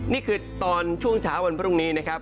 นี่คือตอนช่วงเช้าวันพรุ่งนี้นะครับ